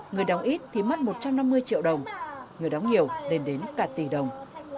người đóng ít thì mất một trăm năm mươi triệu đồng người đóng nhiều lên đến cả tỷ đồng